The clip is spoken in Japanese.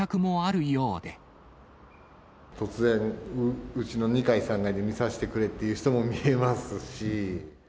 突然、うちの２階、３階で見させてくれって人も見えますし。